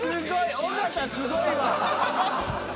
尾形すごいわ。